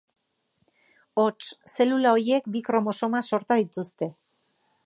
Hots, zelula horiek bi kromosoma sorta dituzte.